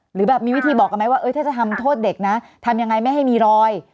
หรือแบบมีวิธีบอกกันไหมว่าถ้าจะทำโทษเด็กนะทำยังไงไม่ให้มีรอย